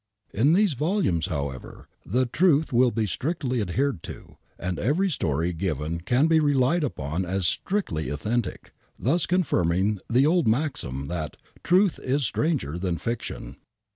.1 In these volumes, however, the truth will be strictly adhered to, and every story given can be relied upon as strictly authentic, thus confirming the old maxim, that truth is stranger than fiction."